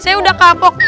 saya udah kapok